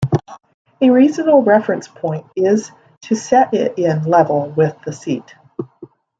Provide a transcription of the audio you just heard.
A reasonable reference point is to set it in level with the seat.